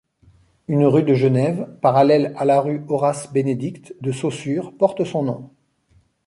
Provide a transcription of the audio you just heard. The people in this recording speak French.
Une rue de Genève, parallèle à la rue Horace-Bénédict de Saussure, porte son nom.